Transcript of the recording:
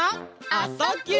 「あ・そ・ぎゅ」